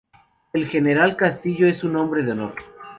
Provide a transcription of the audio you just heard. El general Castillo es un hombre de honor.